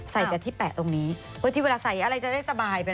ใส่แต่ที่แปะตรงนี้เพื่อที่เวลาใส่อะไรจะได้สบายไป